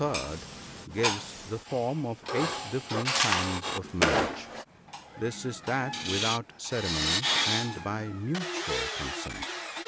gives the form of eight different kinds of marriage. This is that without cere monies, and by mutual consent.